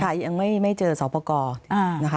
ยังไม่เจอสอบประกอบนะคะ